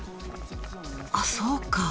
あそうか。